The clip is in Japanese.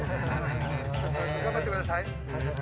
頑張ってください。